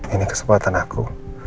ini kesempatan aku